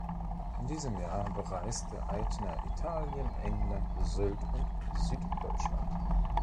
In diesem Jahr bereiste Eitner Italien, England, Sylt und Süddeutschland.